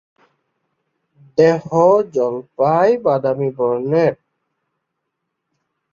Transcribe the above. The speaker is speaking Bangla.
দেহ জলপাই-বাদামী বর্ণের।